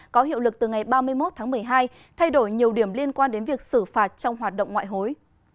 có hiệu lực từ ngày ba mươi một tháng một mươi hai thay đổi nhiều điểm liên quan đến việc xử phạt trong hoạt động ngoại hối